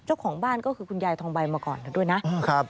เจ้าของบ้านก็คือคุณยายทองใบมาก่อนด้วยนะครับ